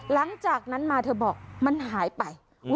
หลังจากนั้นมาเธอบอกมันหายไป